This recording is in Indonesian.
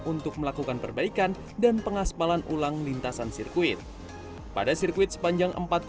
untuk melakukan perbaikan dan pengaspalan ulang lintasan sirkuit pada sirkuit sepanjang